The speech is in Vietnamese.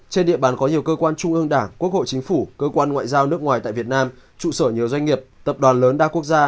trên địa bàn có nhiều cơ quan trung ương đảng quốc hội chính phủ cơ quan ngoại giao nước ngoài tại việt nam trụ sở nhiều doanh nghiệp tập đoàn lớn đa quốc gia